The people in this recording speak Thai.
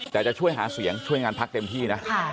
แต่จะช่วยหาเสียงช่วยงานพักเต็มที่นะ